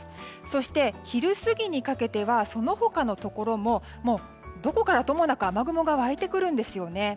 そして、昼過ぎにかけてはその他のところもどこからともなく雨雲が湧いてくるんですよね。